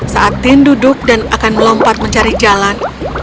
saat tin duduk dan akan melompat mencari jalan